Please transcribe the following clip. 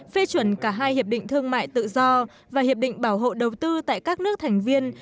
phê chuẩn cả hai hiệp định thương mại tự do và hiệp định bảo hộ đầu tư tại các nước thành viên